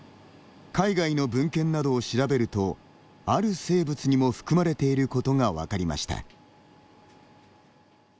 海外の文献などを調べるとある生物にも含まれていることが分かりました。